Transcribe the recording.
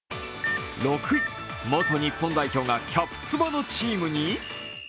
６位、元日本代表が「キャプ翼」のチームに？